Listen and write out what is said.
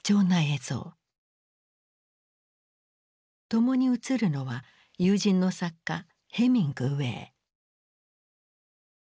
共に映るのは友人の作家ヘミングウェイ。